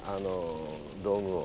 道具を。